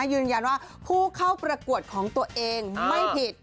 ยืนยันว่าผู้เข้าประกวดของตัวเองไม่ผิด